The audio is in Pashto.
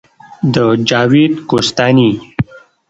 د جاوید کوهستاني